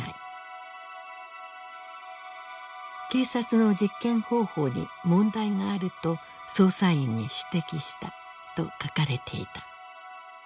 「警察の実験方法に問題があると捜査員に指摘した」と書かれていた。